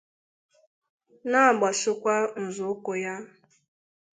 na-agbasokwa nzọụkwụ ya